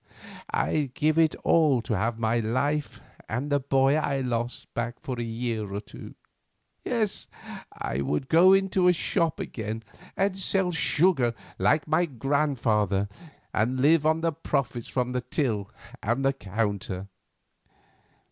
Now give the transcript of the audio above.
I'd give it all to have my wife and the boy I lost back for a year or two; yes, I would go into a shop again and sell sugar like my grandfather, and live on the profits from the till and the counter.